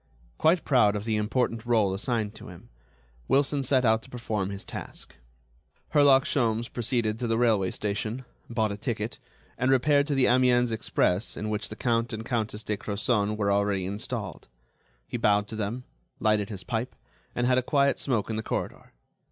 Quite proud of the important rôle assigned to him, Wilson set out to perform his task. Herlock Sholmes proceeded to the railway station, bought a ticket, and repaired to the Amiens' express in which the Count and Countess de Crozon were already installed. He bowed to them, lighted his pipe, and had a quiet smoke in the corridor.